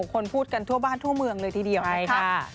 คนพูดกันทั่วบ้านทั่วเมืองเลยทีเดียวนะครับ